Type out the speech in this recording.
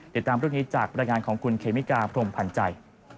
เดี๋ยวตามเรื่องนี้จากบริฐานของคุณเคมิกาพรมพันธ์ใจ